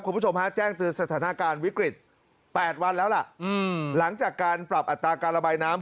คุณผู้ชมฮะแจ้งเตือนสถานการณ์วิกฤต๘วันแล้วล่ะหลังจากการปรับอัตราการระบายน้ำ